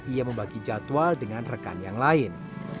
ia membagi jadwal dengan rekan yang lain